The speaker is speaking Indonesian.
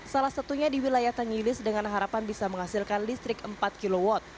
salah satunya di wilayah tengilis dengan harapan bisa menghasilkan listrik empat kw